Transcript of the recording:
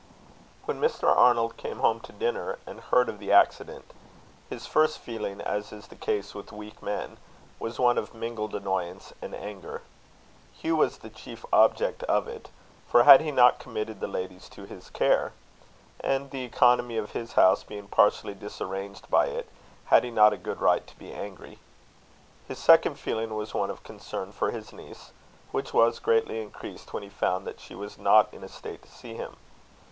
When Mr. Arnold came home to dinner, and heard of the accident, his first feeling, as is the case with weak men, was one of mingled annoyance and anger. Hugh was the chief object of it; for had he not committed the ladies to his care? And the economy of his house being partially disarranged by it, had he not a good right to be angry? His second feeling was one of concern for his niece, which was greatly increased when he found that she was not in a state to see him.